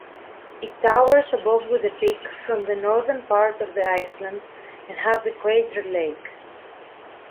It towers above with a peak from the northern part of the island and has a crater lake.